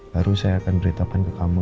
baru saya akan beritakan ke kamu